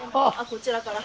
こちらから。